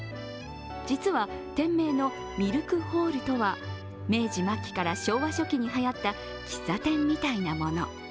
実は店名のミルクホールとは明治末期から昭和初期にはやった喫茶店みたいなもの。